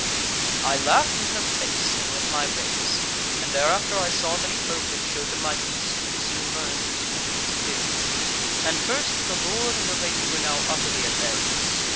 "I laughed in her face and went my ways: and thereafter I saw many folk and showed them my beast, and soon learned two things clearly. "And first that the Lord and the Lady were now utterly at variance.